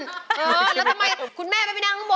เออแล้วทำไมคุณแม่ไม่ไปนั่งข้างบน